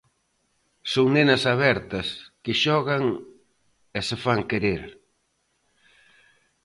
Son nenas abertas, que xogan e se fan querer.